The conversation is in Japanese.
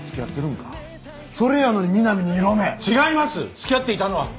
付き合っていたのは。